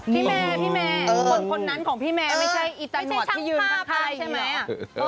พี่แม่คนคนนั้นของพี่แม่ไม่ใช่ตัหนวดที่ยืนข้างใช่ไหม